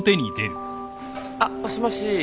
あっもしもし。